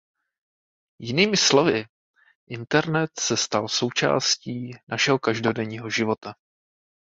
Jinými slovy internet se stal součástí našeho každodenního života.